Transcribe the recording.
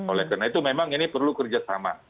oleh karena itu memang ini perlu kerja sama